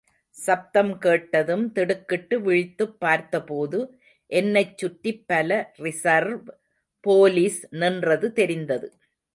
சப்தம் கேட்டதும் திடுக்கிட்டு விழித்துப் பார்த்தபோது என்னைச் சுற்றிப் பல ரிஸர்வ் போலீஸ் நின்றது தெரிந்தது.